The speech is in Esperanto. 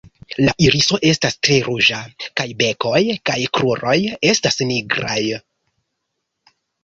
La iriso estas tre ruĝa kaj bekoj kaj kruroj estas nigraj.